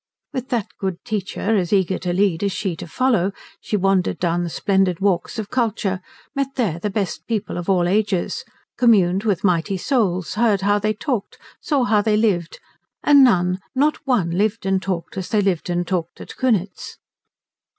With that good teacher, as eager to lead as she to follow, she wandered down the splendid walks of culture, met there the best people of all ages, communed with mighty souls, heard how they talked, saw how they lived, and none, not one, lived and talked as they lived and talked at Kunitz.